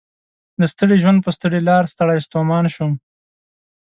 د ستړي ژوند په ستړي لار ستړی ستومان شوم